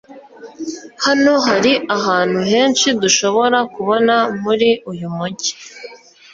Hano hari ahantu henshi dushobora kubona muri uyu mujyi.